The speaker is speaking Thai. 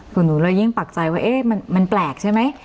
หนูเลยยิ่งปักใจว่ามันแปลกใช่ไหม